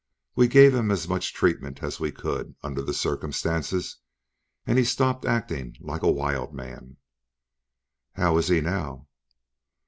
We gave him as much treatment as we could, under the circumstances, and he stopped acting like a wildman." "How is he now?"